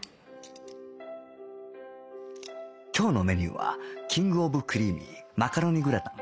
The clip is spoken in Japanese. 今日のメニューはキングオブクリーミーマカロニグラタン